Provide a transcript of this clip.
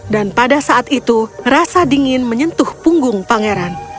dan pada saat itu rasa dingin menyentuh punggung pangeran